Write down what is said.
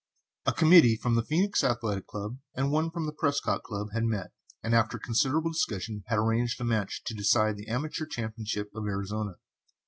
I. A committee from the Phœnix Athletic Club and one from the Prescott Club had met, and after considerable discussion had arranged a match to decide the Amateur Championship of Arizona.